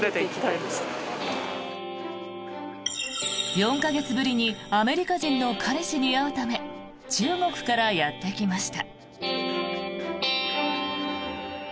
４か月ぶりにアメリカ人の彼氏に会うため中国からやってきました。